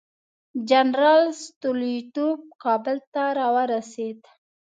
جنرال ستولیتوف کابل ته راورسېد.